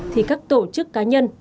thì các tổ chức cá nhân